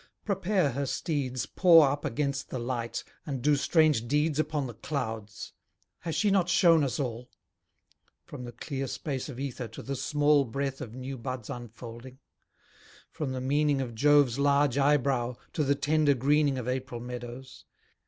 prepare her steeds, Paw up against the light, and do strange deeds Upon the clouds? Has she not shewn us all? From the clear space of ether, to the small Breath of new buds unfolding? From the meaning Of Jove's large eye brow, to the tender greening Of April meadows?